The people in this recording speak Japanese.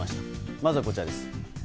まずはこちらです。